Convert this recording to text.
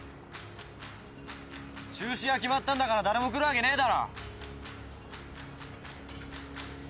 中止が決まったんだから誰も来るわけねえだろう。